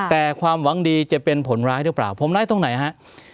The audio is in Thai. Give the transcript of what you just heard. แต่ความหวังดีจะเป็นผลร้ายหรือเปล่าผมร้ายตรงไหนฮะ